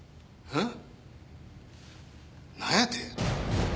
えっ？